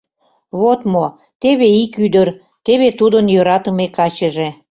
Вот мо: теве ик ӱдыр, теве тудын йӧратыме качыже...